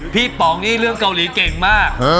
ผิดปองมิรื่องเกาหลีเก่งมาก